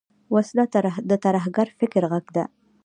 وسله د ترهګر فکر غږ ده